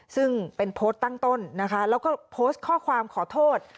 ซึ่งเป็นโพสต์ตั้งต้นนะคะแล้วก็โพสต์ข้อความขอโทษ